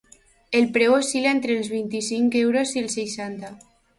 El preu oscil·la entre els vint-i-cinc euros i els seixanta.